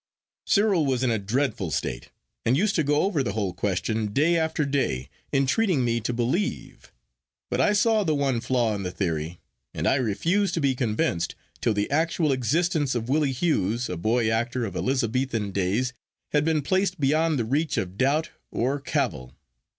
Cyril was in a dreadful state, and used to go over the whole question day after day, entreating me to believe; but I saw the one flaw in the theory, and I refused to be convinced till the actual existence of Willie Hughes, a boy actor of Elizabethan days, had been placed beyond the reach of doubt or cavil.